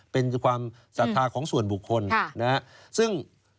เป็นความศรัทธาของส่วนบุคคลนะฮะซึ่ง